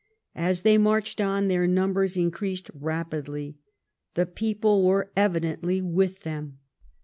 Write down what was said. As they marched on, their numbers increased rapidly. The })eople were evidently with them.